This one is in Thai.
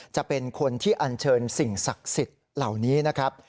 จะเป็นคนที่อันเชิญสิ่งศักดิ์สิทธิ์เหล่านี้นะครับ